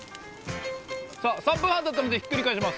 さあ、３分半経ったのでひっくり返します。